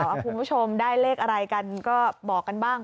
คุณผู้ชมได้เลขอะไรกันก็บอกกันบ้าง